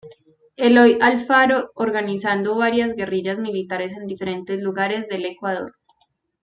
Eloy Alfaro organizando varias guerrillas militares en diferentes lugares del Ecuador.